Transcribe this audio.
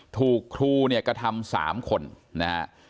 ถูกครูเนี่ยกระทำ๓คนนะฮะ